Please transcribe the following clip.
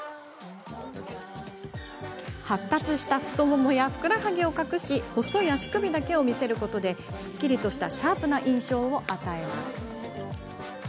発達した太ももやふくらはぎを隠し細い足首だけを見せることですっきりとしたシャープな印象を与えます。